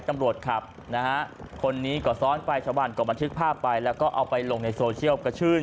ตำรวจขับนะฮะคนนี้ก็ซ้อนไปชาวบ้านก็บันทึกภาพไปแล้วก็เอาไปลงในโซเชียลกระชื่น